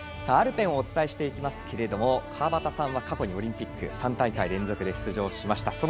アルペンをお伝えしていきますが川端さんは、過去にオリンピック３大会連続で出場しました。